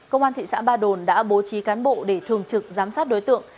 công an thị xã ba đồn đã bố trí cán bộ để thường trực giám sát đối tượng